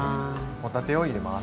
帆立てを入れます。